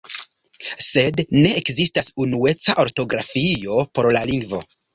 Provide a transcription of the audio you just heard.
Sed ne ekzistas unueca ortografio por la lingvo.